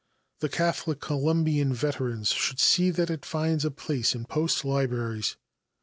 The Catholic Columbian "veterans should see that it finds a place in post libraries."